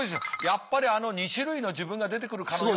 やっぱりあの２種類の自分が出てくるかのような。